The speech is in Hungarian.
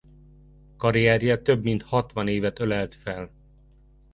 Karrierje több mint hatvan évet ölelt fel.